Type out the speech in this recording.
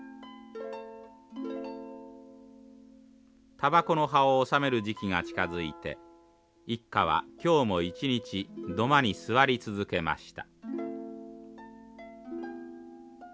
たばこの葉をおさめる時期が近づいて一家は今日も一日土間に座り続けました。